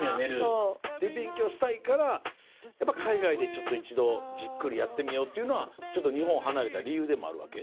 で勉強したいから海外でちょっと一度じっくりやってみようっていうのは日本を離れた理由でもあるわけ？